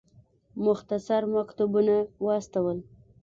مختصر مکتوبونه واستول.